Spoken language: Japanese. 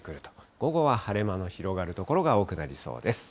午後は晴れ間の広がる所が多くなりそうです。